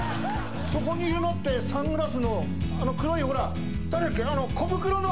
そこにいるのってサングラスのあの黒いほら誰だっけあの。